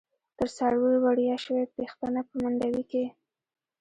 تر څارویو وړیاشوی، پیښتنه په منډوی کی